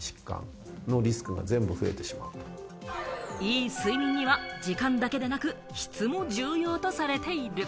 いい睡眠には時間だけでなく質も重要とされている。